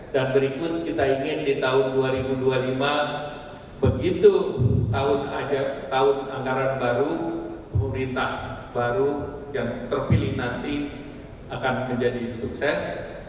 dan berikut kita ingin di tahun dua ribu dua puluh lima begitu tahun anggaran baru pemerintah baru yang terpilih nanti akan menjadi sukses